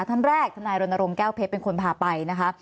ท่านแรกธนายรณรงค์แก้วเพชรเป็นคนพาไปนะคะ